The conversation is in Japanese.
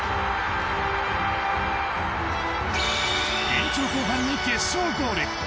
延長後半に決勝ゴール。